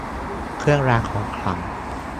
เครื่องรางของขลัง